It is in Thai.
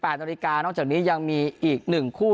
๑๘นนนอกจากนี้ยังมีอีกหนึ่งคู่